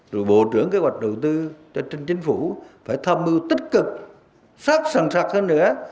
rồi bộ trưởng kế hoạch đầu tư trên chính phủ phải tham mưu tích cực sắc sẵn sạc hơn nữa